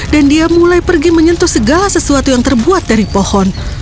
dan dia mulai pergi menyentuh segala sesuatu yang terbuat dari pohon